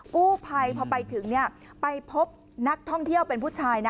กู้ภัยพอไปถึงไปพบนักท่องเที่ยวเป็นผู้ชายนะ